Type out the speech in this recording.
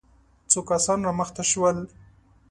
څو کسان را مخته شول.